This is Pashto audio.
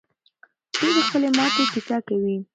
دوی د خپلې ماتې کیسه کوي.